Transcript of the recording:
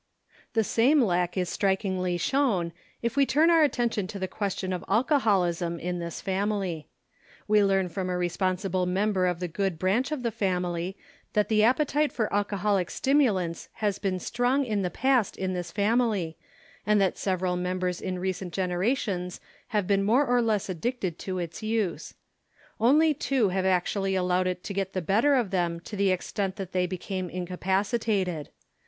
The same lack is strikingly shown, if we turn our attention to the question of alcoholism in this family. We learn from a responsible member of the good branch of the family that the appetite for alcoholic stimulants has been strong in the past in this family and that sev eral members in recent generations have been more or less addicted to its use. Only two have actually al lowed it to get the better of them to the extent that they became incapacitated.